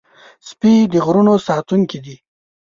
سپي د غرونو ساتونکي دي.